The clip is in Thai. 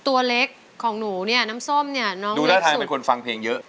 ตัวเล็กของหนูเนี่ยน้ำส้มเนี่ยน้องดูแล้วท่านเป็นคนฟังเพลงเยอะ